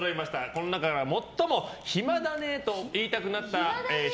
この中から最も暇だねと言いたくなった人。